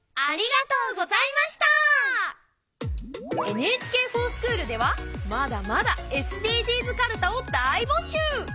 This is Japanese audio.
「ＮＨＫｆｏｒＳｃｈｏｏｌ」ではまだまだＳＤＧｓかるたを大募集！